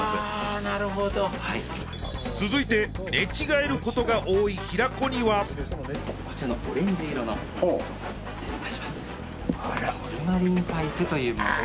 あなるほど続いて寝違えることが多い平子にはこちらのオレンジ色の失礼いたしますトルマリンパイプというもの